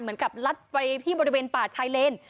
เหมือนกับลัดไปที่บริเวณป่าชายเลน